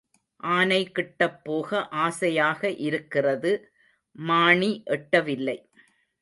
ஆனை கிட்டப் போக ஆசையாக இருக்கிறது மாணி எட்ட வில்லை.